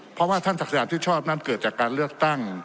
เพราะว่าท่านศักดิ์ที่ชอบนั้นเกิดจากการเลือกตั้ง